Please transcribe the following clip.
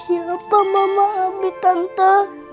siapa mama abie tante